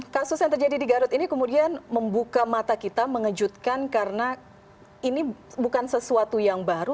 kasus yang terjadi di garut ini kemudian membuka mata kita mengejutkan karena ini bukan sesuatu yang baru